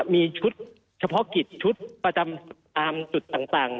มีชุดเฉพาะกิจชุดประจำตามจุดต่าง